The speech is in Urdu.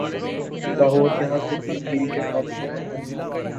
لاہور یہاں سے تین میل کے فاصلے پر ہے